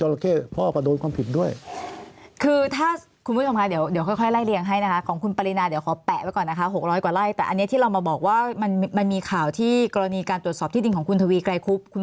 และพ่อเป็นคนคงคุม